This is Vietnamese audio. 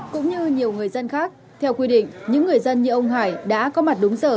cũng như nhiều người dân khác theo quy định những người dân như ông hải đã có mặt đúng giờ